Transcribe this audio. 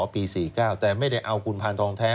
ปี๔๙แต่ไม่ได้เอาคุณพานทองแท้